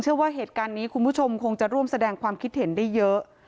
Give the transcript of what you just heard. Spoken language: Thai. เชื่อว่าเหตุการณ์นี้คุณผู้ชมคงจะร่วมแสดงความคิดเห็นได้เยอะ